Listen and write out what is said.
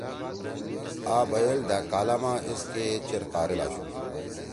آ بئیل دھأک کالا ما ایسکے چیر قاریل آشُو